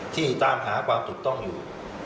ที่ตามหาความถูกต้องอยู่